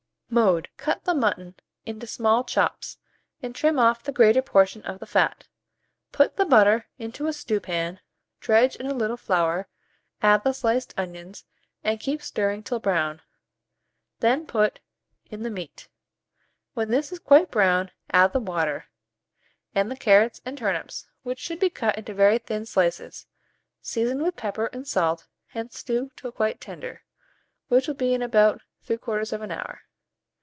Mode. Cut the mutton into small chops, and trim off the greater portion of the fat; put the butter into a stewpan, dredge in a little flour, add the sliced onions, and keep stirring till brown; then put in the meat. When this is quite brown, add the water, and the carrots and turnips, which should be cut into very thin slices; season with pepper and salt, and stew till quite tender, which will be in about 3/4 hour.